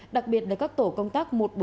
đặc biệt là các tổ công tác một trăm bốn mươi